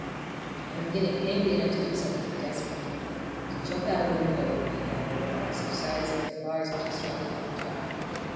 I am getting angry enough to do something desperate. To jump out of the window would be admirable exercise, but the bars are too strong even to try.